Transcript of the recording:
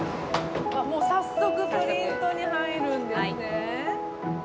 もう早速プリントに入るんですね。